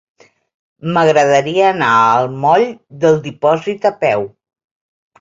M'agradaria anar al moll del Dipòsit a peu.